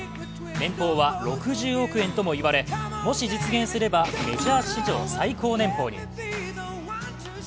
年俸は６０億円ともいわれ、もし実現すれば、メジャー史上最高年俸に。